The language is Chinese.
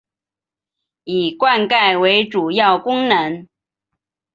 以灌溉为主要功能。